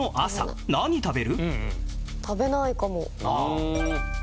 食べないかも。